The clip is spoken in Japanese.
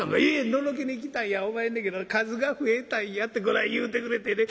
「のろけに来たんやおまへんねんけど『数が増えたんや』ってこない言うてくれてね。